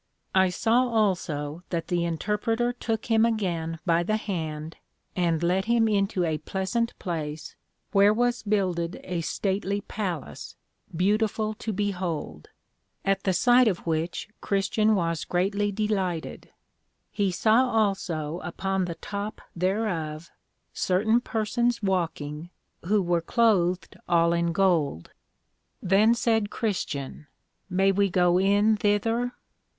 I saw also that the Interpreter took him again by the hand, and led him into a pleasant place, where was builded a stately Palace, beautiful to behold; at the sight of which Christian was greatly delighted: He saw also upon the top thereof, certain persons walking, who were cloathed all in gold. Then said Christian, May we go in thither?